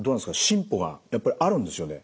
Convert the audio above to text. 進歩がやっぱりあるんですよね？